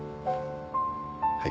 はい。